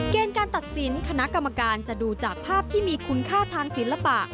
การตัดสินคณะกรรมการจะดูจากภาพที่มีคุณค่าทางศิลปะ